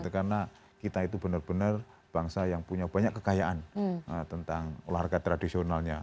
karena kita itu benar benar bangsa yang punya banyak kekayaan tentang olahraga tradisionalnya